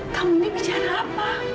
kamu ini bicara apa